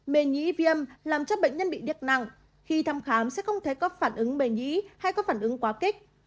mề nhĩ viêm làm cho bệnh nhân bị điếc nặng khi thăm khám sẽ không thể có phản ứng mề nhĩ hay có phản ứng quá kích